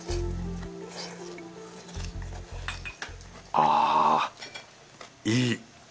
ああいい。